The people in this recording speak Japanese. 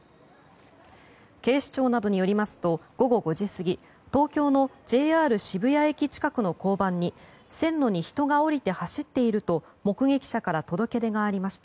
警視庁などによりますと午後５時過ぎ東京のＪＲ渋谷駅近くの交番に線路に人がおりて走っていると目撃者から届け出がありました。